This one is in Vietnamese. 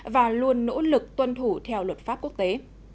và luôn nỗ lực tuân thủ theo luật pháp quốc tế